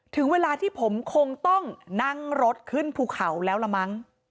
ถึงเวลาที่ผมคงต้องนั่งรถขึ้นภูเขาแล้วละมั้ง